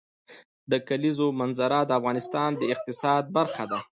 د کلیزو منظره د افغانستان د اقتصاد برخه ده.